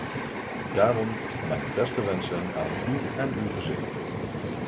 Daarom, mijn beste wensen aan u en uw gezin.